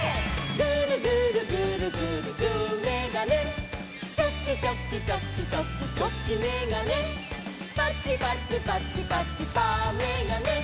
「グルグルグルグルグーめがね」「チョキチョキチョキチョキチョキめがね」「パチパチパチパチパーめがね」